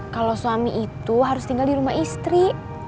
kalau suami itu harus tinggal di rumah istri